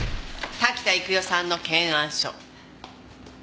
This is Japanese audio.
滝田育代さんの検案書。